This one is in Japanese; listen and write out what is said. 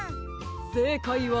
せいかいは。